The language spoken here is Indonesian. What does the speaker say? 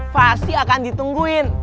pasti akan ditungguin